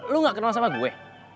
lu gak kenal sama gue